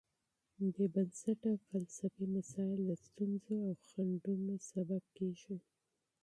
بېبنسټه فلسفي مسایل د ستونزو او خنډونو سبب کېږي.